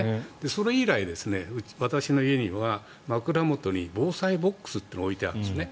それ以来、私の家には枕元に防災ボックスというのを置いてあるんですね。